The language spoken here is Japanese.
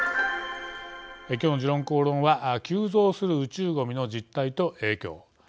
きょうの「時論公論」は急増する宇宙ごみの実態と影響。